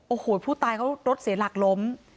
โอ้โหผู้ตายเขารถเสียหลักล้ม